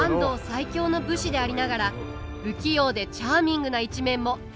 最強の武士でありながら不器用でチャーミングな一面も。